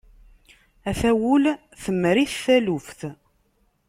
Ata wul temri-t taluft.